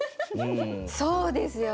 そうですよね。